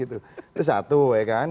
itu satu ya kan